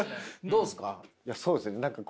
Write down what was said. どうっすか？